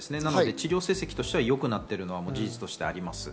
治療成績としては良くなってるのは事実としてあります。